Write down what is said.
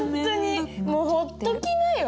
もうほっときなよ。